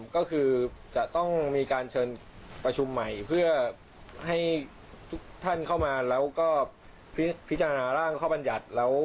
ก็คือจะต้องมีการเชิ้นประชุมใหม่เพื่อให้ท่านเข้ามาแล้วก็พิเศษตรหล้างข้อมันยัดแล้ว